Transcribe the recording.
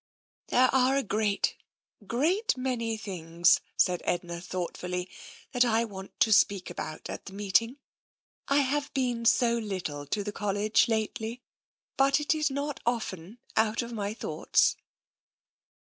" There are a great, great many things," said Edna thoughtfully, " that I want to speak about at the meet ing. I have been so little to the College lately, but it is not often out of my thoughts."